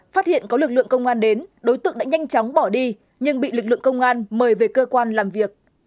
phát hiện có lực lượng công an đến đối tượng đã nhanh chóng bỏ đi nhưng bị lực lượng công an mời về cơ quan làm việc